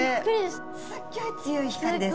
すギョい強い光です。